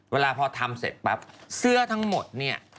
เวลาพอทำเสร็จปั๊บเสื้อทั้งหมดเนี่ย